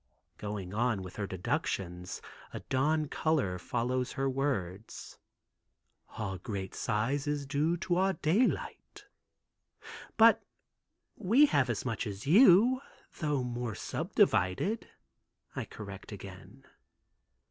Going on with her deductions a dawn color follows her words. "Our great size is due to our daylight." "But we have as much as you, tho' more subdivided," I correct again.